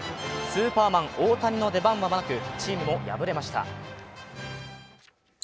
スーパーマン大谷の出番はなくチームも敗れました。